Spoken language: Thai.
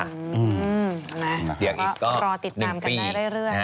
อย่างนี้ก็รอติดนามกันได้เรื่อย